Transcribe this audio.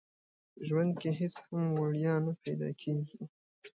په ژوند کې هيڅ هم وړيا نه پيدا کيږي.